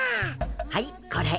はいこれ。